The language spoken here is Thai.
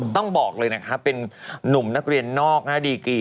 ต้องบอกเลยนะคะเป็นนุ่มนักเรียนนอกดีกี